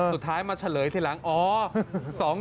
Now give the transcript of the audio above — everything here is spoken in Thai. สุดท้ายมาเฉลยทีหลังอ๋อ